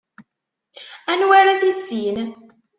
Anwa ara tissin?